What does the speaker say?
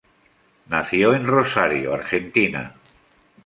Nació en Rosario, Argentina.